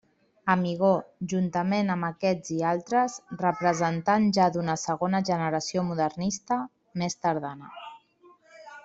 Amigó, juntament amb aquests i altres, representant ja d'una segona generació modernista, més tardana.